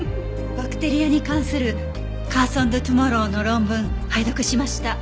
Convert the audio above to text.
バクテリアに関する『カーソンズ・トゥモロー』の論文拝読しました。